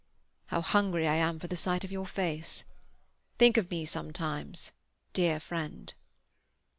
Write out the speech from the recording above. How hungry I am for the sight of your face! Think of me sometimes, dear friend."